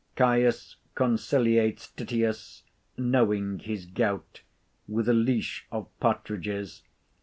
Caius conciliates Titius (knowing his goût) with a leash of partridges.